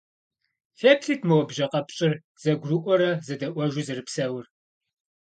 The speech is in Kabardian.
Феплъыт, мо бжьэ къэпщӏыр зэгурыӏуэрэ зэдэӏуэжу зэрыпсэур.